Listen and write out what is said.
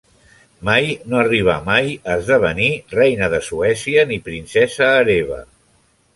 Mai no arribà mai a esdevenir reina de Suècia ni princesa hereva.